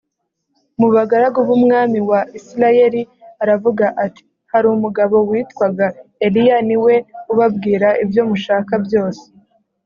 mu bagaragu b’umwami wa isirayeli aravuga ati hari umugabo witwaga eliya niwe ubabwira ibyo mushaka byose